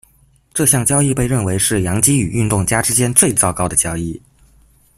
这项交易被认为是洋基与运动家之间最糟糕的交易。